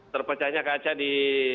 terpecahnya kaca di